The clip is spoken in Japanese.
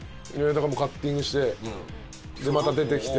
だからもうカッティングしてまた出てきて。